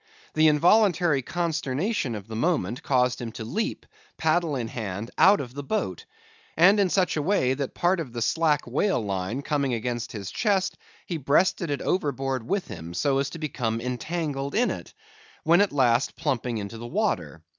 The involuntary consternation of the moment caused him to leap, paddle in hand, out of the boat; and in such a way, that part of the slack whale line coming against his chest, he breasted it overboard with him, so as to become entangled in it, when at last plumping into the water.